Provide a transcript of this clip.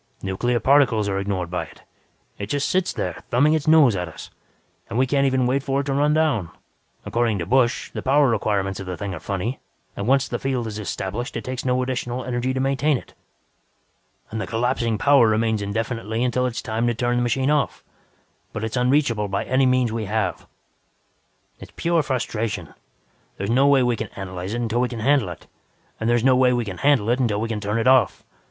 Nuclear particles are ignored by it; it just sits there thumbing its nose at us. And we can't even wait for it to run down. According to Busch, the power requirements of the thing are funny and once the field is established, it takes no additional energy to maintain it. And the collapsing power remains indefinitely until it is time to turn the machine off, but it's unreachable by any means we have. "It's pure frustration. There's no way we can analyze it until we can handle it, and no way we can handle it until we can turn it off.